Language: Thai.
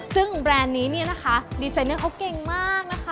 ซึ่งแบรนด์นี้เนี่ยนะคะดีไซเนอร์เขาเก่งมากนะคะ